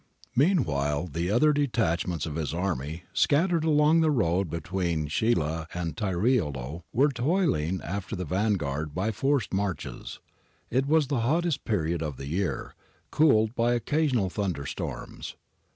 Meanwhile, the other detachments of his army, scattered along the road between Scilla and Tiriolo, were toiling after the vanguard by forced marches. It was the hottest period of the year, cooled by occasional thunder storms.